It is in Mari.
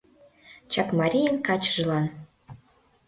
Чакмарийын качыжлан